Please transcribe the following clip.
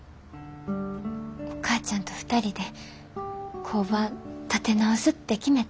お母ちゃんと２人で工場立て直すって決めた。